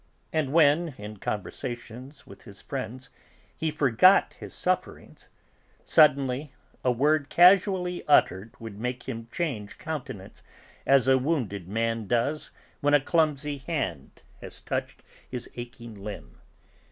And when, in conversation with his friends, he forgot his sufferings, suddenly a word casually uttered would make him change countenance as a wounded man does when a clumsy hand has touched his aching limb.